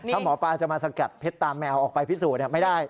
ถ้าหมอปลาจะมาสกัดเพชรตามแมวออกไปพิสูจน์ไม่ได้